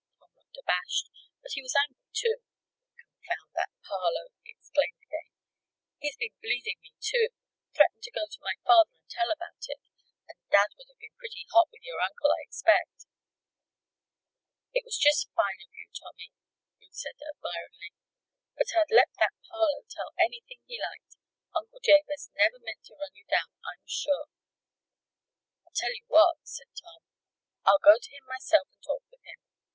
Tom looked abashed; but he was angry, too. "Confound that Parloe!" he exclaimed again. "He's been bleeding me, too! Threatened to go to my father and tell about it and Dad would have been pretty hot with your uncle, I expect." "It was just fine of you, Tommy," Ruth said, admiringly. "But I'd let that Parloe tell anything he liked. Uncle Jabez never meant to run you down, I'm sure." "I tell you what," said Tom. "I'll go to him myself and talk with him.